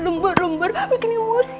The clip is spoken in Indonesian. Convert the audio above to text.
lembar lembar bikinnya wosi